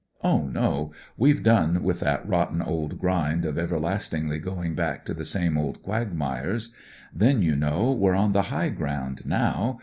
Oh, no, we've done with that rotten old grind of everlastingly going back to the same old quagmires. Then, you know, we're on the high ground now.